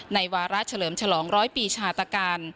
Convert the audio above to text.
วาระเฉลิมฉลองร้อยปีชาตการ